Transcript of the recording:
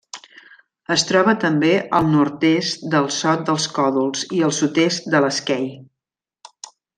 Es troba també al nord-est del Sot dels Còdols i al sud-est de l'Esquei.